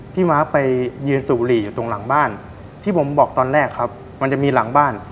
มาร์คไปยืนสูบบุหรี่อยู่ตรงหลังบ้านที่ผมบอกตอนแรกครับมันจะมีหลังบ้าน